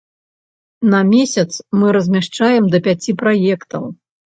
На месяц мы размяшчаем да пяці праектаў.